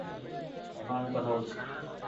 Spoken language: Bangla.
এখন আমি কথা বলছি।